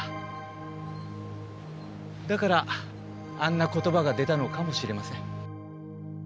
だからあんな言葉が出たのかもしれません。